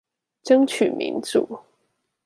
爭取民主